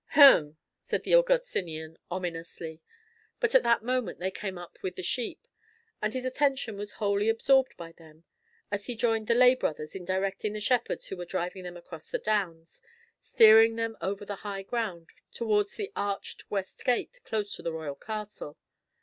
"Hem!" said the Augustinian ominously; but at that moment they came up with the sheep, and his attention was wholly absorbed by them, as he joined the lay brothers in directing the shepherds who were driving them across the downs, steering them over the high ground towards the arched West Gate close to the royal castle.